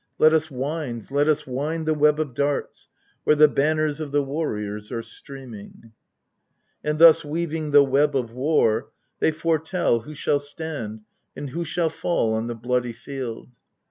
Let us wind, let us wind the web of darts where the banners of the warriors are streaming ! And thus weaving the web of war, they foretell who shall stand and who shall fall on the bloody field.